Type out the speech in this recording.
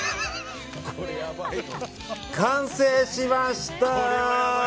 完成しました！